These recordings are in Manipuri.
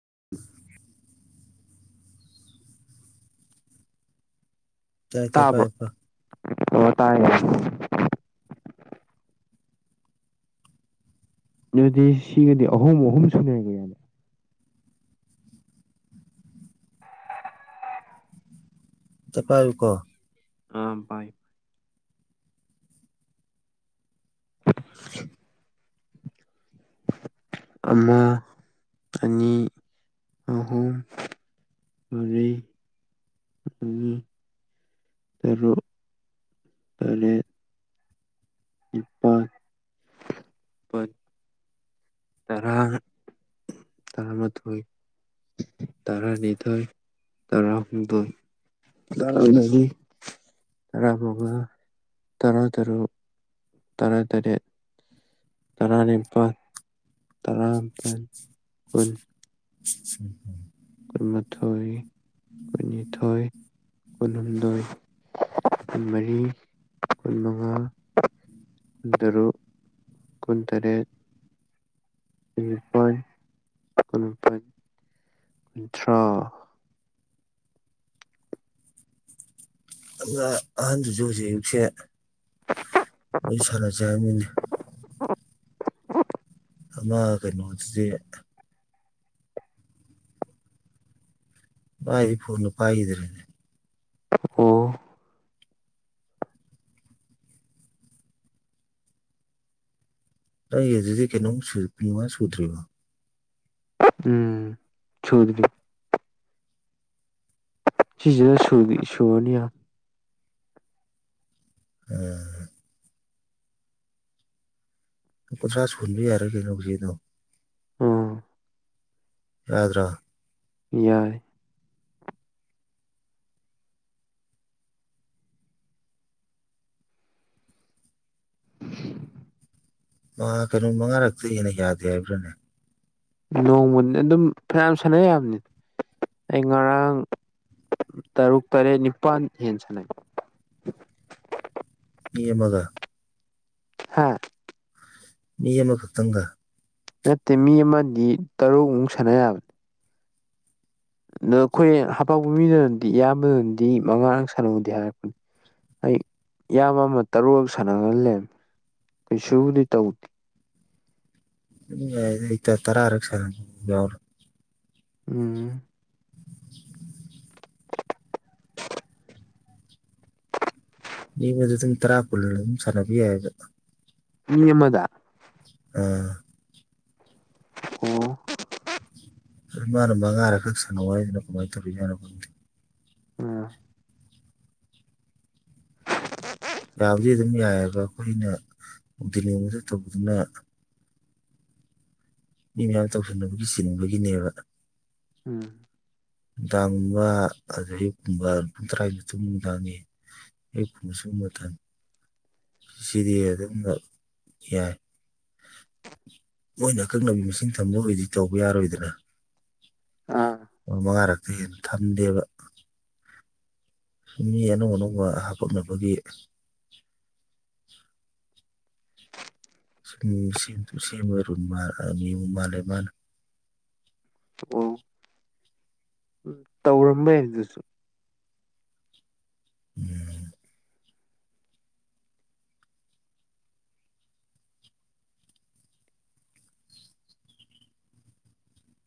[unintelligible] ꯇꯥꯏꯇ ꯐꯥꯏꯄ ꯌ‌ꯣ ꯇꯥꯏ ꯑꯗꯨꯗꯤ ꯁꯤꯒꯗꯤ ꯑꯍꯨꯝ ꯑꯍꯨꯝ ꯁꯨꯔꯅꯤꯌ‌ꯦ ꯑꯝꯇ ꯄꯥꯏꯌꯨꯀꯣ ꯎꯝ ꯄꯥꯏ [unintelligible] ꯑꯃꯥ ꯑꯅꯤ ꯑꯍꯨꯝ ꯃꯔꯤ ꯃꯉꯥ ꯇꯔꯨꯛ ꯇꯥꯔꯦꯠ ꯅꯤꯄꯥꯜ ꯃꯥꯄꯜ ꯇꯔꯥ ꯇꯔꯥꯃꯥꯊꯣꯏ ꯇꯔꯥꯅꯤꯊꯣꯏ ꯇꯔꯥꯍꯨꯝꯗꯣꯏ ꯇꯔꯥꯃꯔꯤ ꯇꯔꯥꯃꯉꯥ ꯇꯔꯥꯇꯔꯨꯛ ꯇꯔꯥꯇꯔꯦꯠ ꯇꯔꯥꯅꯤꯄꯥꯜ ꯇꯔꯥꯃꯥꯄꯜ ꯀꯨꯟ [unintelligible] ꯀꯨꯟꯃꯥꯊꯣꯏ ꯀꯨꯟꯅꯤꯊꯣꯏ ꯀꯨꯜꯍꯨꯝꯗꯣꯏ ꯀꯨꯟꯃꯔꯤ ꯀꯨꯟꯃꯉꯥ ꯀꯨꯟꯇꯔꯨꯛ ꯀꯨꯟꯇꯔꯦꯠ ꯀꯨꯟꯅꯤꯄꯥꯟ ꯀꯨꯟꯃꯄꯜ ꯀꯨꯟꯊ꯭ꯔꯥ ꯑꯗꯨꯅ ꯑꯍꯟꯗꯨꯖꯨ ꯍꯧꯖꯤꯛ ꯑꯌꯨꯛꯁꯦ ꯑꯩ ꯁꯥꯟꯅꯁꯦ ꯍꯥꯏꯔꯝꯃꯤꯅꯦ ꯑꯃꯥ ꯀꯩꯅꯣꯁꯦ ꯃꯥꯏꯗꯤ ꯐꯣꯟꯗꯣ ꯄꯥꯏꯒꯤꯗ꯭ꯔꯦꯅ‌ꯦ ꯑꯣ ꯅꯒꯤꯖꯤꯗꯤ ꯀꯩꯅꯣꯝꯁꯨ ꯀꯨꯟꯃꯉꯥ ꯁꯨꯗ꯭ꯔꯤꯕꯣ ꯎꯝ ꯁꯨꯗ꯭ꯔꯤ ꯁꯤꯖꯤꯒ ꯁꯨꯗꯤ ꯁꯨꯨꯔꯅꯤ ꯑꯝ ꯀꯨꯟꯊ꯭ꯔꯥ ꯁꯨꯍꯟꯕ ꯌꯥꯔꯦ ꯀꯩꯅꯣ ꯍꯧꯖꯤꯛꯗꯣ ꯎꯝ ꯌꯥꯗ꯭ꯔꯥ ꯌꯥꯏ ꯑ ꯀꯩꯅꯣ ꯃꯉꯥꯔꯛꯇꯩ ꯍꯦꯟꯅ ꯌꯥꯗꯦ ꯍꯥꯏꯕ꯭ꯔꯥꯅꯦ ꯅꯣꯡꯃꯒꯤ ꯑꯗꯨꯝ ꯐꯅꯌꯥꯝ ꯁꯥꯟꯅ ꯌꯥꯕꯅꯤ ꯑꯩ ꯉꯔꯥꯡ ꯇꯔꯨꯛ ꯇꯔꯦꯠ ꯅꯤꯄꯥꯜ ꯍꯦꯟ ꯁꯥꯟꯅꯩ ꯃꯤ ꯑꯃꯥꯒ ꯍꯥ ꯃꯤ ꯑꯃꯥꯈꯛꯇꯪꯒ ꯅꯠꯇꯦ ꯃꯤ ꯑꯃꯗꯤ ꯇꯔꯨꯛꯃꯨꯛ ꯁꯥꯟꯅ ꯌꯥꯕꯅꯤ ꯑꯗꯣ ꯑꯩꯈꯣꯏ ꯍꯥꯄꯛꯄ ꯃꯤꯗꯨꯅꯗꯤ ꯏꯌꯥꯝꯕꯗꯅꯗꯤ ꯃꯉꯥꯔꯛ ꯁꯥꯟꯅꯨꯗꯤ ꯍꯥꯏꯔꯛꯄꯅꯦ ꯑꯩ ꯏꯌꯥꯝꯕ ꯑꯃꯥ ꯇꯔꯨꯛꯂꯛ ꯁꯥꯟꯅꯍꯜꯂꯦ ꯀꯩꯁꯨꯕꯨꯗꯤ ꯇꯧꯗꯦ ꯑꯗꯨꯝ ꯌꯥꯏꯗ ꯏꯇ ꯇꯔꯥꯛ ꯁꯥꯟꯅꯕ ꯌꯥꯎꯔꯦ ꯎꯝ [unintelligible] [unintelligible] ꯇꯔꯥ ꯀꯨꯜꯂ ꯑꯗꯨꯝ ꯁꯥꯟꯅꯕ ꯌꯥꯏꯕ ꯃꯤ ꯑꯃꯥꯗ ꯑ ꯑꯣ ꯑꯗꯨ ꯃꯥꯅ ꯃꯉꯥꯔꯛ ꯈꯛ ꯁꯥꯟꯅꯧ ꯍꯥꯏꯖꯤꯅ ꯀꯃꯥꯏ ꯇꯧꯔꯤꯖꯥꯠꯅꯣ ꯈꯪꯗꯦ ꯎꯝ ꯌꯥꯕꯨꯗꯤ ꯑꯗꯨꯝ ꯌꯥꯏꯕ ꯑꯩꯈꯣꯏꯅ ꯅꯨꯡꯇꯤ ꯅꯣꯡꯃꯗ ꯇꯧꯕꯗꯨꯅ ꯃꯤ ꯃꯌꯥꯝ ꯇꯧꯁꯤꯟꯅꯕꯒꯤ ꯆꯤꯟꯕꯒꯤꯅꯦꯕ ꯎꯝ ꯅꯨꯡꯗꯥꯡꯒꯨꯝꯕ ꯑꯗꯩ ꯑꯌꯨꯛꯀꯨꯝꯕ ꯄꯨꯡ ꯇꯔꯥꯒꯤ ꯃꯇꯨꯡ ꯅꯨꯡꯗꯥꯡꯒꯤ ꯑꯩ ꯄꯨꯁꯨ ꯃꯊꯟ ꯁꯤꯗꯤ ꯑꯗꯨꯝꯔꯛ ꯌꯥꯏ ꯃꯣꯏꯅ ꯑꯀꯛꯅꯕꯤ ꯃꯁꯤꯡ ꯊꯝꯕ ꯑꯣꯏꯗꯤ ꯇꯧꯕ ꯌꯥꯔꯣꯏꯗꯅ ꯑꯥ ꯑꯣ ꯃꯉꯥꯔꯛꯇ ꯍꯦꯟꯅ ꯊꯝꯗꯦꯕ ꯃꯤ ꯑꯅꯧ ꯑꯅꯧꯕ ꯍꯥꯄꯛꯅꯕꯒꯤ ꯁꯦꯝꯁꯨ ꯁꯦꯝ ꯑꯣꯏꯔꯨꯟ ꯔꯨ ꯃꯥꯜꯂꯦ ꯃꯥꯅ ꯑꯣ ꯎꯝ ꯇꯧꯔꯝꯃꯦ ꯑꯗꯨꯁꯨ ꯎꯝ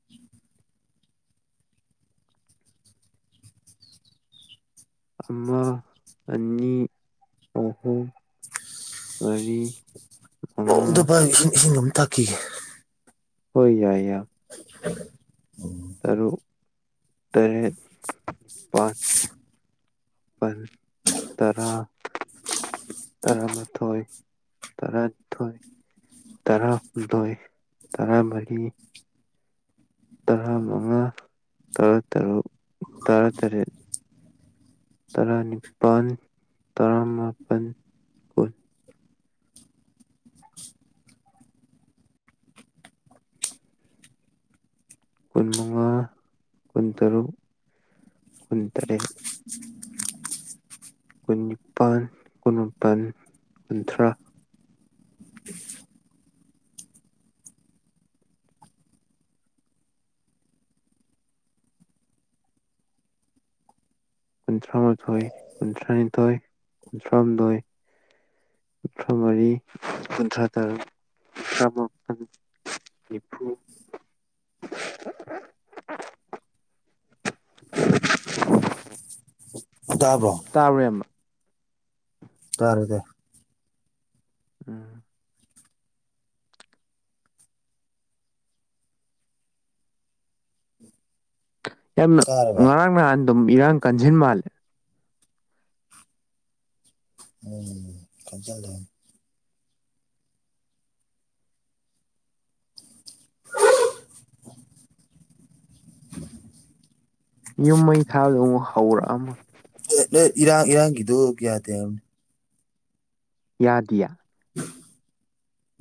[unintelligible] ꯑꯃ ꯑꯅꯤ ꯑꯍꯨꯝ ꯃꯔꯤ ꯑꯣ ꯑꯝꯇ ꯃꯉꯥ ꯄꯥꯢꯌꯣ ꯏꯁꯤꯡ ꯏꯁꯤꯡ ꯑꯝ ꯊꯛꯈꯤꯒꯦ ꯍꯣꯢ ꯌꯥꯏ ꯌꯥꯝ [unintelligible] ꯇꯔꯨꯛ ꯇꯔꯦꯠ [unintelligible] ꯅꯤꯄꯥꯜ ꯄꯟ ꯇꯔꯥ ꯇꯔꯥꯃꯥꯊꯣꯏ ꯇꯔꯥꯅꯤꯊꯣꯏ ꯇꯔꯥꯍꯨꯝꯗꯣꯏ ꯇꯔꯥꯃꯔꯤ ꯇꯔꯥꯃꯉꯥ ꯇꯔꯥꯇꯔꯨꯛ ꯇꯔꯥꯇꯔꯦꯠ ꯇꯔꯥꯅꯤꯄꯥꯟ ꯇꯔꯥꯃꯥꯄꯟ ꯀꯨꯟꯃꯉꯥ ꯀꯨꯟꯇꯔꯨꯛ ꯀꯨꯟꯇꯔꯦꯠ [unintelligible] ꯀꯨꯟꯅꯤꯄꯥꯟ ꯀꯨꯟꯃꯥꯄꯟ ꯀꯨꯟꯊ꯭ꯔꯥ ꯀꯨꯟꯊ꯭ꯔꯥꯃꯥꯥꯊꯣꯏ ꯀꯨꯟꯊ꯭ꯔꯥꯅꯤꯊꯣꯏ ꯀꯨꯟꯊ꯭ꯔꯥꯍꯨꯝꯗꯣꯏ ꯀꯨꯟꯊ꯭ꯔꯥꯃꯔꯤ ꯀꯨꯟꯊ꯭ꯔꯥꯇꯔꯨꯛ ꯇꯕ꯭ꯔꯣ [unintelligible] ꯅꯤꯐꯨ ꯇꯥꯕ꯭ꯔꯣ ꯇꯥꯕ꯭ꯔꯥ ꯢꯌꯥꯝꯕ ꯇꯔꯗꯦ ꯎꯝ ꯌꯥꯝꯅ ꯇꯥꯔꯕ ꯉꯔꯥꯡ ꯅꯍꯥꯟ ꯑꯗꯨꯝ ꯏꯔꯥꯡ ꯀꯟꯖꯤꯟ ꯃꯥꯜꯂꯦ ꯍꯣꯢꯃꯦ ꯈꯟꯖꯜꯂꯅꯨ [unintelligible] ꯌꯨꯝ ꯃꯩ ꯊꯥꯕꯖꯦ ꯑꯃꯨꯛ ꯍꯧꯔꯛꯑꯝꯃ ꯏꯔꯥꯡ ꯏꯔꯥꯡꯒꯤꯗꯨ ꯌꯥꯗꯦ ꯍꯥꯢꯕꯅꯤ ꯌꯥꯗꯤꯌꯦ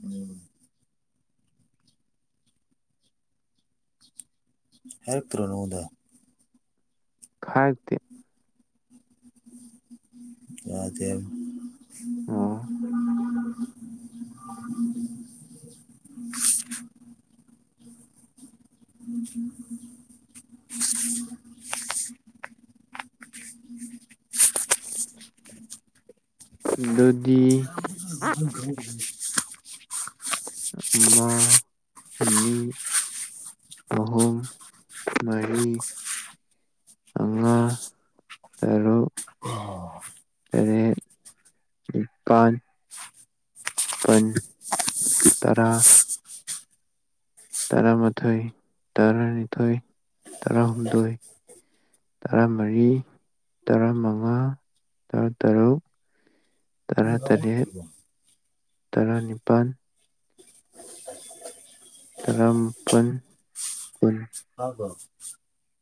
ꯎꯝ ꯍꯥꯢꯔꯛꯇ꯭ꯔꯣ ꯅꯪꯉꯣꯟꯗ ꯫ ꯈꯥꯏꯇꯦ ꯌꯥꯗꯦ ꯑꯣ [inaudible] ꯑꯗꯨꯗꯤ ꯈꯪꯗꯦꯅꯦ ꯑꯃ ꯑꯅꯤ ꯑꯍꯨꯝ ꯃꯔꯤ ꯃꯉꯥ ꯇꯔꯨꯛ ꯇꯔꯦꯠ ꯅꯤꯄꯥꯟ ꯃꯥꯄꯟ ꯇꯔꯥ ꯇꯔꯥꯃꯥꯊꯣꯏ ꯇꯔꯥꯅꯤꯊꯣꯏ ꯇꯔꯥꯍꯨꯝꯗꯣꯏ ꯇꯔꯥꯃꯔꯤ ꯇꯔꯥꯃꯉꯥ ꯇꯔꯥꯇꯔꯨꯛ ꯍꯥꯏꯕ ꯇꯔꯥꯇꯔꯦꯠ ꯇꯥꯕ꯭ꯔꯣ ꯇꯔꯥꯅꯤꯄꯥꯜ ꯇꯔꯥꯃꯥꯄꯜ ꯀꯨꯟ ꯇꯥꯗꯔꯣ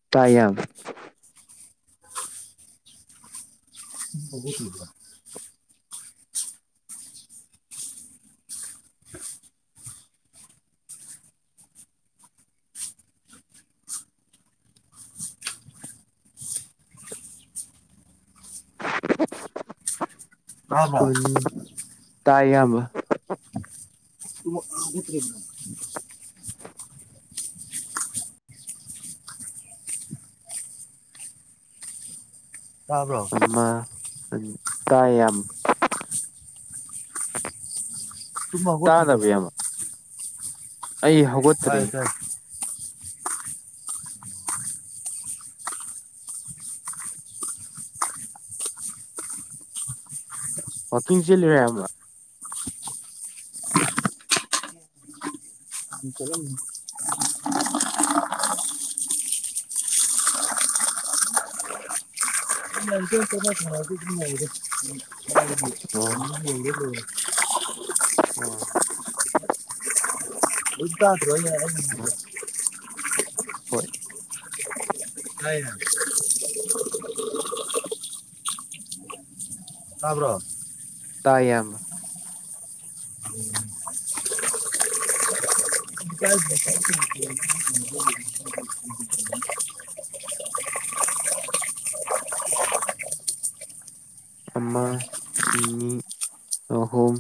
ꯇꯥꯏ ꯌꯝ ꯇꯨꯡꯕ ꯍꯧꯒꯠꯇꯔꯤꯕꯣ ꯀꯔꯤꯅꯣ ꯇꯥꯏ ꯏꯌꯥꯝꯕ ꯍꯧꯒꯠꯇꯔꯤꯕꯣ ꯇꯥꯕ꯭ꯔꯣ ꯑꯃ ꯑꯅꯤ ꯇꯥꯏ ꯏꯌꯥꯝꯕ ꯇꯨꯝ ꯍꯧꯒꯠꯇꯔꯤꯕꯣ ꯇꯥꯗꯕ꯭ꯔ ꯅꯪ ꯏꯌꯥꯝꯕ ꯑꯩ ꯍꯧꯒꯠ ꯇꯥꯏ ꯇꯥꯏ ꯋꯥꯀꯤꯡ ꯆꯦꯟꯂꯤꯔꯣ ꯏꯌꯥꯝꯕ ꯎꯝ ꯆꯦꯟꯂꯝꯕꯅꯦ ꯑꯣ [inaudible] ꯎꯝ ꯀꯦꯝ ꯇꯥꯗꯔꯣ ꯑꯩꯅ ꯉꯥꯡꯕꯁꯦ ꯍꯣꯏ ꯇꯥꯏꯍꯦ ꯇꯥꯕ꯭ꯔꯣ ꯇꯥꯏ ꯇꯌꯥꯝꯕ ꯎꯝ [inaudible] ꯑꯃ ꯑꯅꯤ ꯑꯍꯨꯝ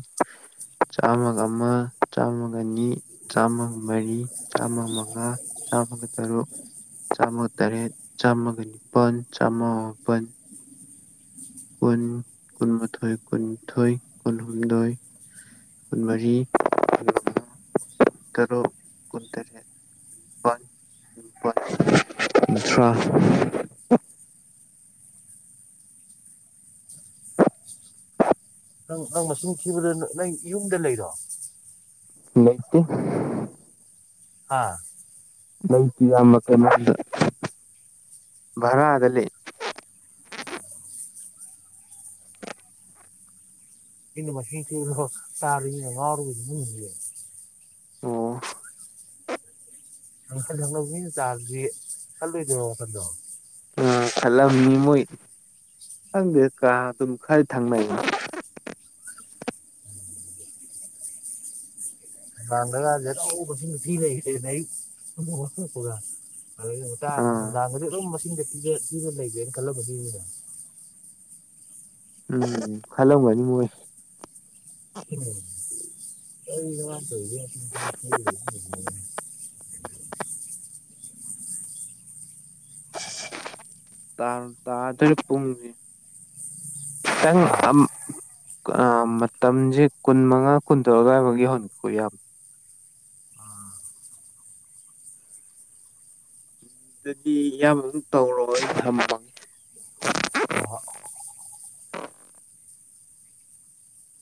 ꯆꯥꯝꯃꯒ ꯑꯃ ꯆꯥꯝꯃꯒꯑꯅꯤ ꯆꯥꯝꯃꯒ ꯃꯔꯤ ꯆꯥꯝꯃ ꯃꯉꯥ ꯆꯥꯝꯃꯒ ꯇꯔꯨꯛ ꯆꯥꯝꯃ ꯇꯔꯦꯠ ꯆꯥꯝꯃꯒ ꯅꯤꯄꯥꯟ ꯆꯥꯝꯃ ꯃꯥꯄꯟ ꯀꯨꯟ ꯀꯨꯟꯃꯥꯊꯣꯏ ꯀꯨꯟꯅꯤꯊꯣꯏ ꯀꯨꯜꯍꯨꯝꯗꯣꯏ ꯀꯨꯟꯃꯔꯤ [unintelligible] ꯇꯔꯨꯛ ꯀꯨꯟꯇꯔꯦꯠ [unintelligible] ꯅꯪ ꯅꯪ ꯃꯁꯤꯡ ꯊꯤꯕꯗ ꯅꯪ ꯌꯨꯝꯗ ꯂꯩꯔꯣ ꯂꯩꯇꯦ ꯍꯥ ꯂꯩꯇꯦ ꯏꯌꯥꯝꯕ ꯀꯩꯅꯣꯗ ꯚꯔꯥꯗ ꯂꯩ ꯅꯪꯅ ꯃꯁꯤꯡ ꯊꯤꯕꯗꯣ ꯇꯥꯕ ꯃꯤꯅ ꯉꯥꯎꯔꯕꯣꯏ ꯈꯟꯈꯤꯅꯤ ꯑꯣ ꯊꯪꯅꯕ ꯃꯤꯅ ꯇꯥꯔꯗꯤ ꯈꯜꯂꯣꯏꯗ꯭ꯔꯣ ꯑꯗꯣ ꯑꯥ ꯈꯜꯂꯝꯅꯤ ꯃꯣꯏ ꯈꯪꯗꯦ ꯀꯥ ꯑꯗꯨꯝ ꯈꯔ ꯊꯪꯅꯩ ꯏꯃꯥꯡꯗ ꯀꯥꯁꯦ [unintelligible] [unintelligible] ꯑꯥ ꯅꯨꯡꯗꯥꯡ ꯈꯨꯗꯤꯡꯒꯤ ꯃꯁꯤꯡꯗ ꯊꯤꯔ ꯗꯨꯝ ꯂꯩꯔꯦꯅ ꯈꯜꯂꯝꯃꯅꯤ ꯃꯤꯅꯥ ꯎꯝ ꯈꯜꯂꯝꯒꯅꯤ ꯃꯣꯏ ꯎꯝ ꯀꯩꯅꯣ ꯃꯥ ꯇꯧꯔꯤꯁꯦ ꯇꯥꯕꯨ ꯇꯥꯗꯨꯔꯦ ꯄꯨꯡꯁꯤꯗꯤ ꯅꯪ ꯍꯥ ꯑꯝ ꯃꯇꯝꯖꯦ ꯀꯨꯟꯃꯉꯥ ꯀꯨꯟꯇꯔꯨꯛ ꯑꯗꯨꯏꯕꯧꯗꯤ ꯌꯥꯎꯍꯟꯂꯨꯀꯣ ꯏꯌꯥꯝꯕ ꯑꯥ ꯑꯗꯨꯗꯤ ꯏꯌꯥꯝꯕ ꯑꯃꯨꯛ ꯇꯧꯔꯣ ꯑꯩ ꯊꯝꯃꯒꯦ ꯍꯣꯏ ꯍꯣꯏ